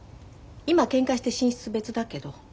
今けんかして寝室別だけど。